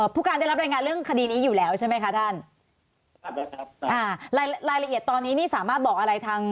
พวกก่อนได้รับดรายงานเรื่องคดีนี้อยู่แล้วใช่ไหมคะท่าน